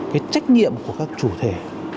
cái trách nhiệm của các chủ thể